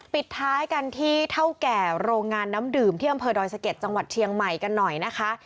ปิดท้ายกันที่เท่าแก่โรงงานน้ำดื่มที่อำเภอดอยสะเก็ดจังหวัดเชียงใหม่กันหน่อยนะคะ